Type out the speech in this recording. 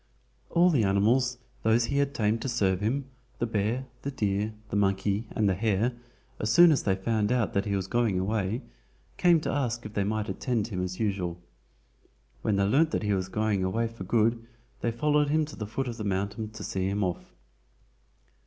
All the animals, those he had tamed to serve him, the bear, the deer, the monkey, and the hare, as soon as they found out that he was going away, came to ask if they might attend him as usual. When they learned that he was going away for good they followed him to the foot of the mountain to see him off.